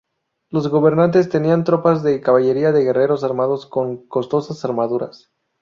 Los gobernantes tenían tropas de caballería de guerreros armados con costosas armaduras.